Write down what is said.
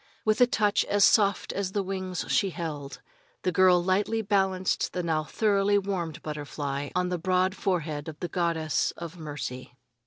With a touch as soft as the wings she held, the girl lightly balanced the now thoroughly warmed butterfly on the broad forehead of the Goddess of Mercy.